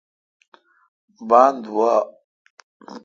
بان دووا۔